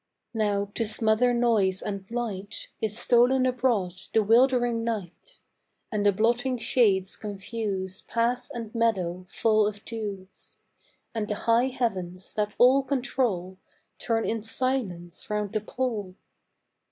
Now, to smother noise and light, Is stolen abroad the wildering night, And the blotting shades confuse Path and meadow full of dews; And the high heavens, that all control, Turn in silence round the pole.